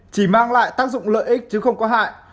chỉ mang lại tác dụng lợi ích chứ không có hại